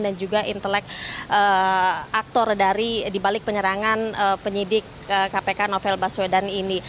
dan juga intelek aktor dibalik penyerangan penyidik kpk novel baswedang ini